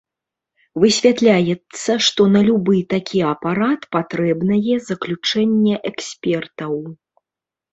Высвятляецца, што на любы такі апарат патрэбнае заключэнне экспертаў.